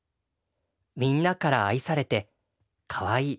みんなから愛されてかわいい。